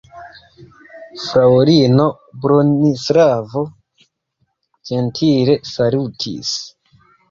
Fraŭlino Bronislavo ĝentile salutis.